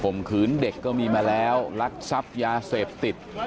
มขืนเด็กก็มีมาแล้วลักทรัพย์ยาเสพติด